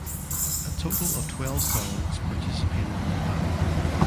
A total of twelve songs participated in the final.